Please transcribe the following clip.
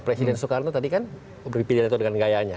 presiden soekarno tadi kan berpilihan itu dengan gayanya